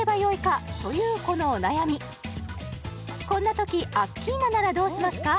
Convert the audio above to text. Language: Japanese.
こんなときアッキーナならどうしますか？